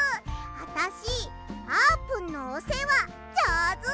あたしあーぷんのおせわじょうず！